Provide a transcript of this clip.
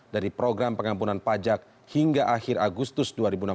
dari program pengampunan pajak hingga akhir agustus dua ribu enam belas